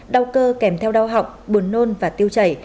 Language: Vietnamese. đau cơ kèm theo đau học buồn nôn và tiêu chảy